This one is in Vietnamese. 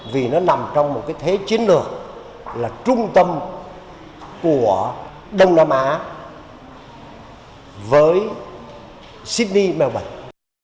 vì nó nằm trong một cái thế chiến lược là trung tâm của đông nam á với sydney melbourne